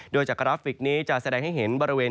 โดยจากกราฟิกนี้จะแสดงให้เห็นบริเวณ